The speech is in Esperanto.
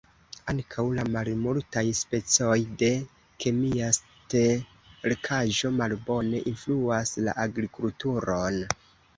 Ankaŭ la malmultaj specoj de kemia sterkaĵo malbone influas la agrikulturon.